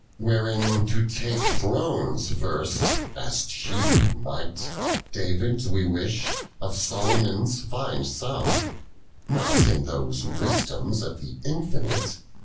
91. Wherein to take thrones first, as chief in nii*>ht David's we wish, of Salomon's find some, !Not in those wisdoms of the infinite.